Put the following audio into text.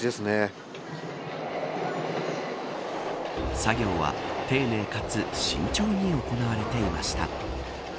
作業は、丁寧かつ慎重に行われていました。